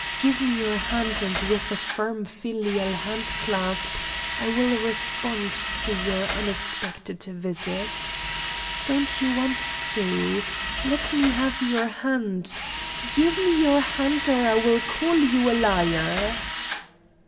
Give me your hand, and with a firm filial hand clasp I will respond to your unexpected visit. Don't you want to? Let me have your hand. Give me your hand, or I will call you a liar!"